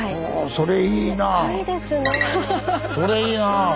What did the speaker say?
それいいなあ！